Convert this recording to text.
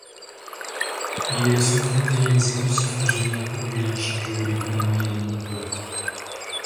Il est secrétaire exécutif régional populaire chargé de l'économie et de l'emploi.